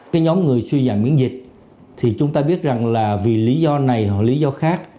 cái nhóm người suy giảm miễn dịch thì chúng ta biết rằng là vì lý do này họ lý do khác